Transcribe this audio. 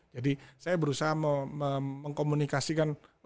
jadi saya berusaha mengkomunikasikan